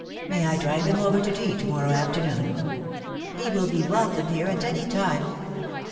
" May I drive him over to tea to morrow afternoon ?"" He will be welcome here at any time."